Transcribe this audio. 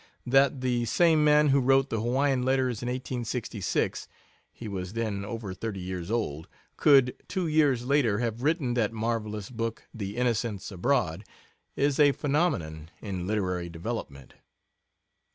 That the same man who wrote the Hawaiian letters in 1866 (he was then over thirty years old) could, two years later, have written that marvelous book, the Innocents Abroad, is a phenomenon in literary development.